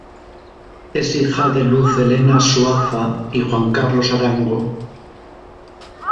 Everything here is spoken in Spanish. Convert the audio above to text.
Es hija de Luz Helena Suaza y Juan Carlos Arango.